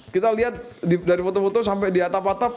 kita lihat dari foto foto sampai di atap atap